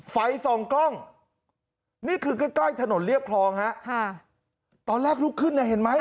ไฟส่องกล้องนี่คือใกล้ใกล้ถนนเรียบคลองฮะค่ะตอนแรกลุกขึ้นเนี่ยเห็นไหม